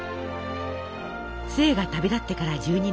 壽衛が旅立ってから１２年。